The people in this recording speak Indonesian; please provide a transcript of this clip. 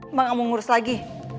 mbak gak mau ngurus lagi